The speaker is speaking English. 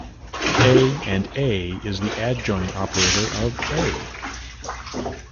"A" and "A" is the adjoint operator of "A".